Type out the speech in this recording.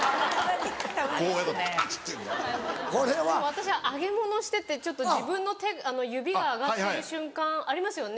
私揚げ物してて自分の手指が揚がってる瞬間ありますよね？